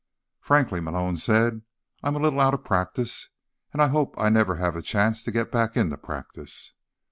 "Frankly," Malone said, "I'm a little out of practice. And I hope I never have the chance to get back into practice."